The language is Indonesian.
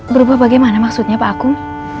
berubah bagaimana maksudnya pak agung